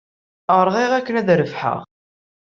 Rɣiɣ akken ad rebḥeɣ.